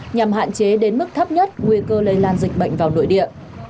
nhằm hạn chế đến mức thấp nhất nguy cơ lây lan dịch bệnh vào nội địa